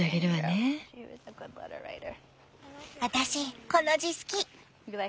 私この字好き。